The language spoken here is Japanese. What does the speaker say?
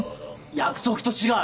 約束と違う！